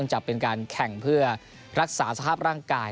จะเป็นการแข่งเพื่อรักษาสภาพร่างกาย